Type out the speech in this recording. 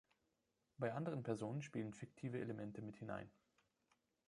Bei anderen Personen spielen fiktive Elemente mit hinein.